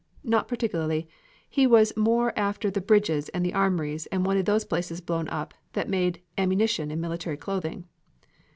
Not particularly he was more after the bridges and the armories and wanted those places blown up that made ammunition and military clothing.